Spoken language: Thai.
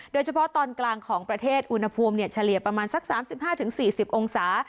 โดยเฉพาะตอนกลางของประเทศอุณหภูมิเฉลี่ยประมาณสัก๓๕๔๐องศา